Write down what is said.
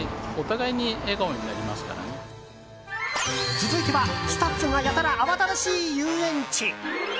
続いては、スタッフがやたら慌ただしい遊園地。